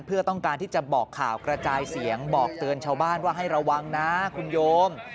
เพื่อต้องการที่จะบอกข่าวกระจายเสียงบอกเตือนชาวบ้านว่าให้ระวังนะคุณโยม